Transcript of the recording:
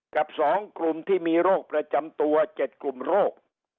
กับ๒กลุ่มที่มีโรคประจำตัว๗กลุ่มโรค